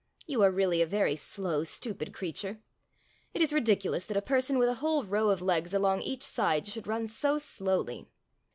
You are really a very slow, stupid creature. It is ridiculous that a person with a whole row of legs along each side should run so slowly."